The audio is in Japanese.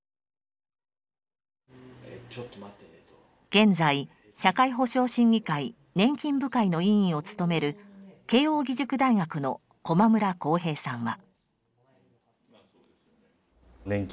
現在社会保障審議会年金部会の委員を務める慶應義塾大学の駒村康平さんは。